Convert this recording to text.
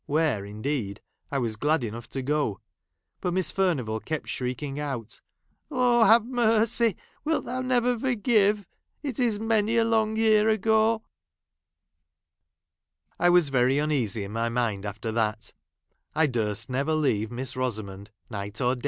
where, indeed, I was glad enough to go ; but Miss Furnivall kept shrieking out, " Oh ! have mercy ! Wilt Thou never forgive ! It is many a long year ago " I was very uneasy in my mind after that. | I durst never leave Miss Rosamond, night or